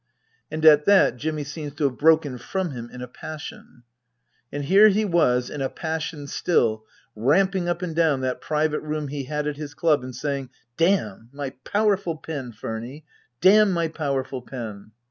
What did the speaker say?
And at that Jimmy seems to have broken from him in a passion. And here he was, in a passion still, ramping up and down that private room he had at his club, and saying, " Damn my powerful pen, Furny ! Damn my powerful pen